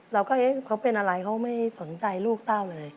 เราก็เอ๊ะเขาเป็นอะไรเขาไม่สนใจลูกเต้าเลย